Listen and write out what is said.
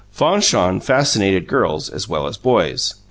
Fanchon fascinated girls as well as boys.